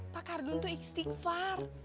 pak ardun tuh istighfar